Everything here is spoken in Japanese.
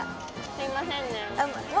すいませんね